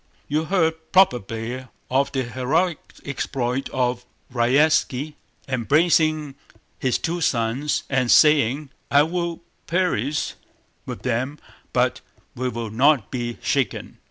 "You heard probably of the heroic exploit of Raévski, embracing his two sons and saying: 'I will perish with them but we will not be shaken!